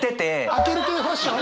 開ける系ファッション？